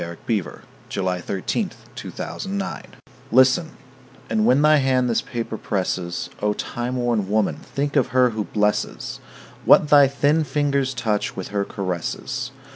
Y Z A Letter from a Girl to Her Own Old Age LISTEN, and when thy hand this paper presses, O time worn woman, think of her who blesses What thy thin fingers touch, with her caresses.